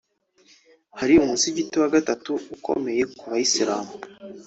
hari umusigiti wa gatatu mu ikomeye ku Bayisilamu